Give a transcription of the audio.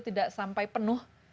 tidak sampai penuh